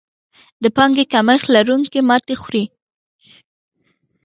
د پانګې کمښت لرونکي ماتې خوري.